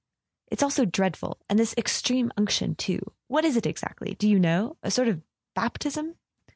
"It's all so dreadful—and this Extreme Unction too! What is it exactly, do you know? A sort of baptism?